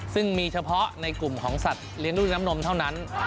ซึ่งมีเฉพาะในกลุ่มของสัตว์เลี้ยงลูกน้ำนมเท่านั้น